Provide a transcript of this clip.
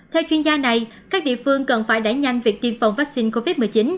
theo chuyên gia này các địa phương cần phải đẩy nhanh việc tiêm phòng vaccine covid một mươi chín